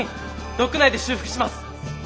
ドック内で修復します。